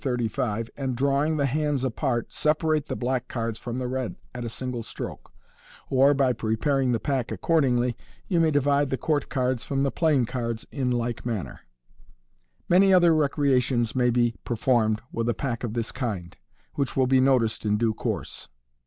35), and, drawing the hands apart, separate the black cards from the red at a single stroke, or, by preparing the pack accordingly, you may divide the court cards from the plain cards in like manner. Many other recreations may be performed with a pack of this kind, which will be noticed in due course.